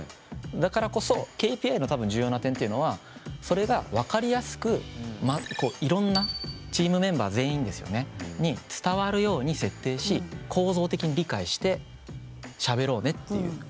だからこそＫＰＩの多分重要な点っていうのはそれが分かりやすくいろんなチームメンバー全員ですよねに伝わるように設定し構造的に理解してしゃべろうねっていう。